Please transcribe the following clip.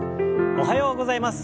おはようございます。